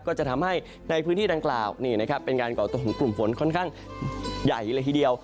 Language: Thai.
ก็จะทำให้ในพื้นที่ดังกล่าวนี่นะครับเป็นการก่อตัวของกลุ่มฝนค่อนข้างใหญ่เลยทีเดียว